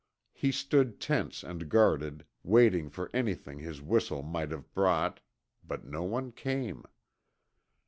He stood tense and guarded, waiting for anything his whistle might have brought, but no one came.